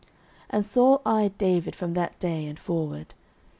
09:018:009 And Saul eyed David from that day and forward.